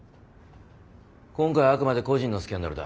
今回はあくまで個人のスキャンダルだ。